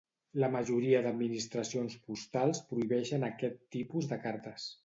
La majoria d'administracions postals prohibeixen aquest tipus de cartes.